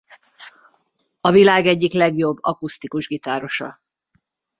A világ egyik legjobb akusztikus gitárosa.